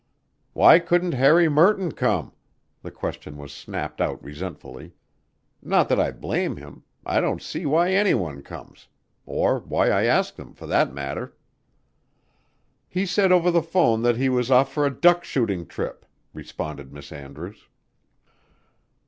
"Why couldn't Harry Merton come?" The question was snapped out resentfully. "Not that I blame him I don't see why any one comes or why I ask them for that matter." "He said over the 'phone that he was off for a duck shooting trip," responded Miss Andrews.